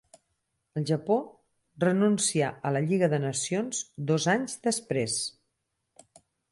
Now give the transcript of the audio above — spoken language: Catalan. El Japó renuncià a la Lliga de Nacions dos anys després.